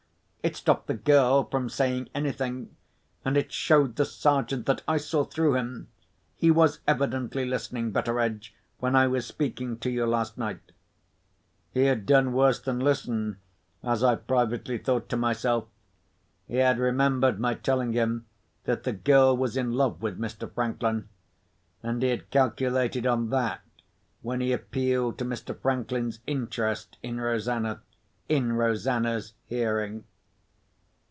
It stopped the girl from saying anything, and it showed the Sergeant that I saw through him. He was evidently listening, Betteredge, when I was speaking to you last night." He had done worse than listen, as I privately thought to myself. He had remembered my telling him that the girl was in love with Mr. Franklin; and he had calculated on that, when he appealed to Mr. Franklin's interest in Rosanna—in Rosanna's hearing.